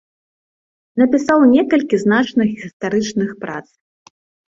Напісаў некалькі значных гістарычных прац.